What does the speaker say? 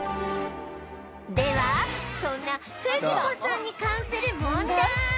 ではそんなフジコさんに関する問題